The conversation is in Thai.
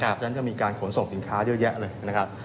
ฉะนั้นจะมีการขนส่งสินค้าเยอะแยะเลยนะครับ